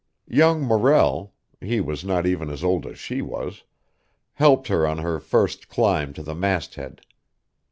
Young Morrell he was not even as old as she was helped her on her first climb to the mast head.